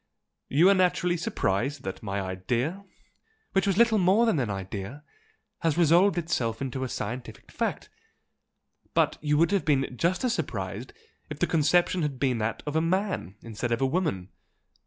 You are naturally surprised that my 'idea' which was little more than an idea, has resolved itself into a scientific fact but you would have been just as surprised if the conception had been that of a man instead of a woman.